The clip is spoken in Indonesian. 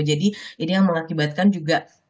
jadi ini yang mengakibatkan juga tadi mbak adisti sebut